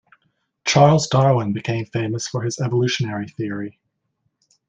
Charles Darwin became famous for his evolutionary theory.